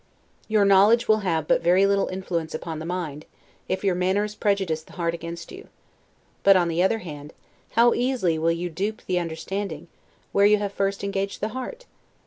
Your knowledge will have but very little influence upon the mind, if your manners prejudice the heart against you; but, on the other hand, how easily will you DUPE the understanding, where you have first engaged the heart?